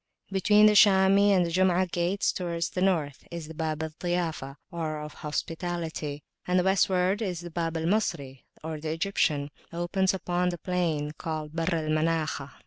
Between the Shami and the Jum'ah gates, towards the North, is the Bab al Ziyafah (of Hospitality); and Westwards the Bab al Misri (Egyptian) opens upon the plain called the Barr al Manakhah.